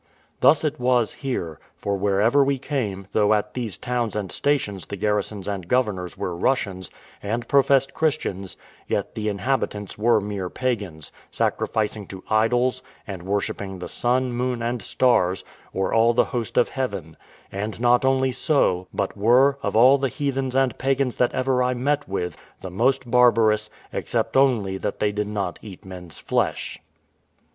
Thus it was here; for wherever we came, though at these towns and stations the garrisons and governors were Russians, and professed Christians, yet the inhabitants were mere pagans, sacrificing to idols, and worshipping the sun, moon, and stars, or all the host of heaven; and not only so, but were, of all the heathens and pagans that ever I met with, the most barbarous, except only that they did not eat men's flesh.